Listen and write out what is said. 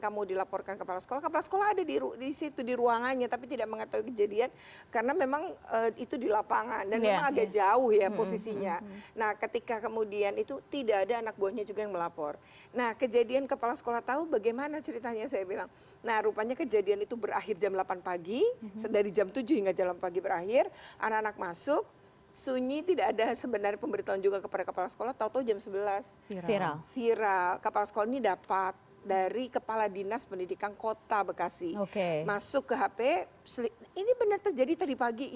masuk ke hp ini benar terjadi tadi pagi ya kemudian seperti sekarang